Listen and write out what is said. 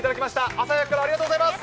朝早くからありがとうございます。